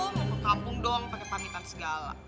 mau ke kampung dong pakai pamitan segala